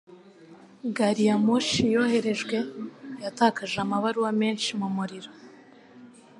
Gari ya moshi yoherejwe yatakaje amabaruwa menshi mu muriro.